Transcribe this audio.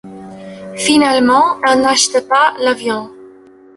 Finalement, elle n'acheta pas l'avion...